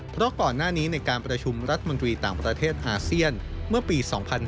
เพราะก่อนหน้านี้ในการประชุมรัฐมนตรีต่างประเทศอาเซียนเมื่อปี๒๕๕๙